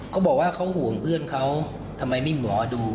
เขาบอกว่าเขาห่วงเพื่อนเขาทำไมไม่หมอดู